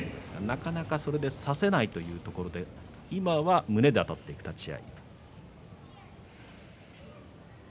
なかなか、それで差せないというところで今は胸であたっていきました。